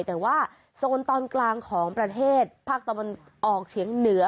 แต่ว่าโซนตอนกลางของประเทศภาคตะวันออกเฉียงเหนือ